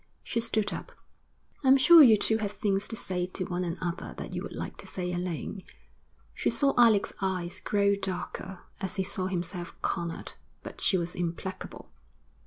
She stood up. 'I'm sure you two have things to say to one another that you would like to say alone.' She saw Alec's eyes grow darker as he saw himself cornered, but she was implacable.